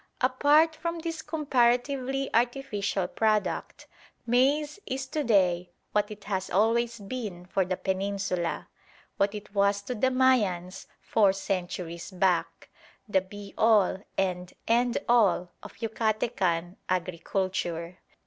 Apart from this comparatively artificial product, maize is to day what it has always been for the Peninsula, what it was to the Mayans four centuries back, the be all and end all of Yucatecan agriculture.